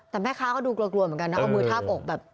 แต่แม่ค้าก็ดูกลัวเหมือนกันนะเอามือทาบอกแบบ